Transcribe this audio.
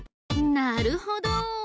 なるほど！